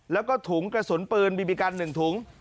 แล้วก็ถุงกระสุนปืนบีบีกัน๑ถุง